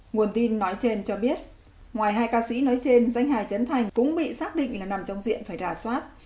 nguồn tin nói trên cho biết ngoài hai ca sĩ nói trên danh hà trấn thành cũng bị xác định là nằm trong diện phải rà soát